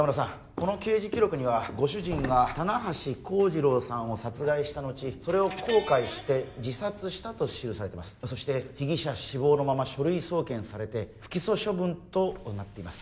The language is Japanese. この刑事記録にはご主人が棚橋幸次郎さんを殺害した後それを後悔して自殺したと記されてますそして被疑者死亡のまま書類送検されて不起訴処分となっています